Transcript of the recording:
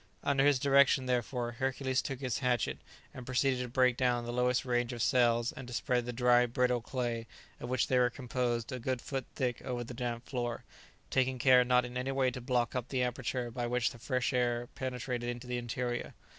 ] Under his direction, therefore, Hercules took his hatchet, and proceeded to break down the lowest range of cells and to spread the dry, brittle clay of which they were composed a good foot thick over the damp floor, taking care not in any way to block up the aperture by which the fresh air penetrated into the interior.